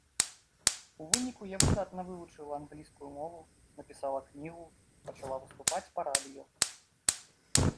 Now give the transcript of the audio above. У выніку я выдатна вывучыла англійскую мову, напісала кнігу, пачала выступаць па радыё.